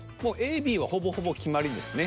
ＡＢはほぼほぼ決まりですね。